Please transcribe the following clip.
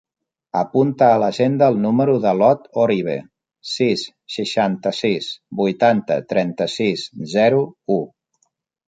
Apunta a l'agenda el número de l'Ot Orive: sis, seixanta-sis, vuitanta, trenta-sis, zero, u.